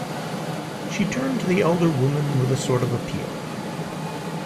She turned to the elder woman with a sort of appeal.